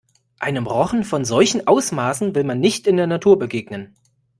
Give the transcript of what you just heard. Einem Rochen von solchen Ausmaßen will man nicht in der Natur begegnen.